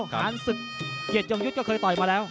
ช้างศึกเกียจยกยุทธก็เคยต่อยมาแล้ว